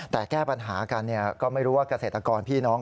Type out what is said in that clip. แต่แก้ปัญหากันก็ไม่รู้ว่าเกษตรกรพี่น้อง